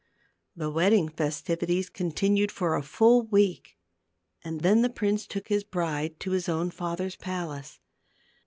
The wedding festivities continued for a full week, and then the prince took his bride to his 280 THE GLASS MOUNTAIN. own father's palace.